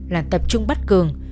là tập trung bắt cường